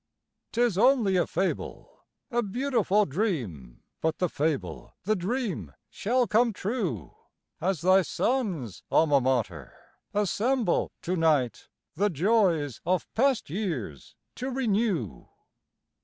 'Tis only a fable a beautiful dream, But the fable, the dream, shall come true, As thy sons, Alma Mater, assemble to night The joys of past years to renew.